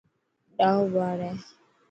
ڏائو ٻاڙ هي.